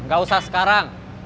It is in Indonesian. ga usah sekarang